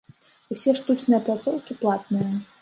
Усе штучныя пляцоўкі платныя.